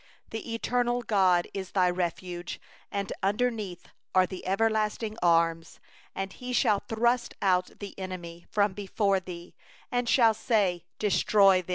27The eternal God is a dwelling place, And underneath are the everlasting arms; And He thrust out the enemy from before thee, And said: 'Destroy.